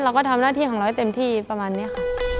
เราก็ทำหน้าที่ของเราให้เต็มที่ประมาณนี้ค่ะ